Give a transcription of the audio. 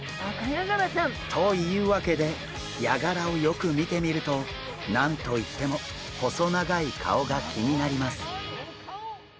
というわけでヤガラをよく見てみると何と言っても細長い顔が気になります。